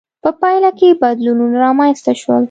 په پایله کې بدلونونه رامنځته شول.